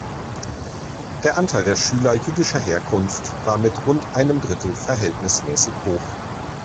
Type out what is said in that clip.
Der Anteil der Schüler jüdischer Herkunft war mit rund einem Drittel verhältnismäßig hoch.